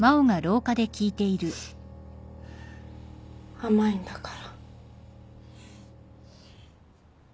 甘いんだから。